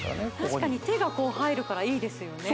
確かに手がこう入るからいいですよね